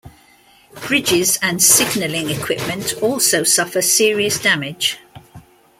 Bridges and signalling equipment also suffer serious damage.